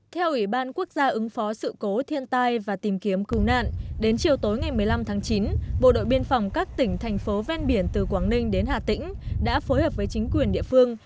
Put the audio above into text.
theo ubnd ứng phó sự cố thiên tai và tìm kiếm cưu nạn đến chiều tối ngày một mươi năm tháng chín bộ đội biên phòng các tỉnh thành phố ven biển từ quảng ninh đến hà tĩnh đã phối hợp với chính quyền địa phương